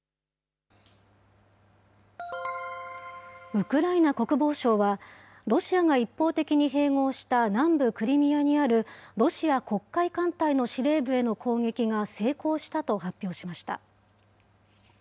ウクライナ国防省は、ロシアが一方的に併合した南部クリミアにある、ロシア黒海艦隊の司令部への攻撃が成功したと発表しました。